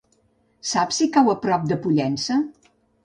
Saps si cau a prop de Pollença?